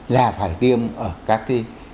là phải tiêm ở các cái